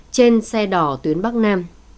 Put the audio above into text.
trên xe đỏ tuyến bắc nam